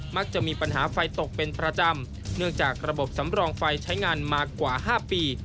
มักจะมีปัญหาไฟตกเป็นประจำเนื่องจากระบบสำรองไฟใช้งานมากว่า๕ปี